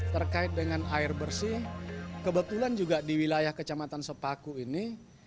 terkait dengan air bersih kebetulan juga di wilayah kecamatan sepaku ini